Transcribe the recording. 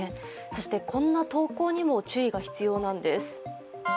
そして、こんな投稿にも注意が必要なんです。